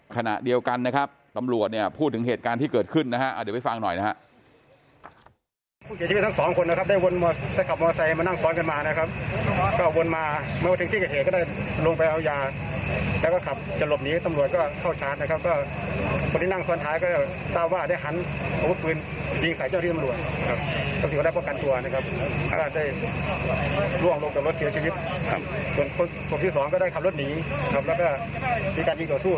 ขณะเดียวกันนะครับตำรวจเนี่ยพูดถึงเหตุการณ์ที่เกิดขึ้นนะฮะเดี๋ยวไปฟังหน่อยนะฮะ